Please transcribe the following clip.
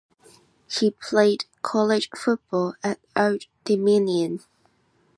He played college football at Old Dominion.